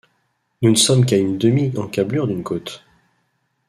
Nous ne sommes qu’à une demi-encâblure d’une côte!...